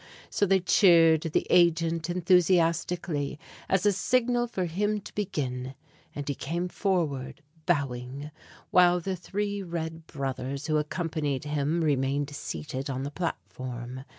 So they cheered the agent enthusiastically, as a signal for him to begin, and he came forward bowing, while the three red brothers who accompanied him remained seated on the platform.